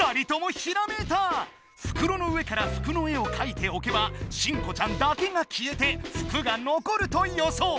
ふくろの上から服の絵をかいておけば新子ちゃんだけが消えて服が残るとよそう。